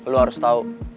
lo harus tau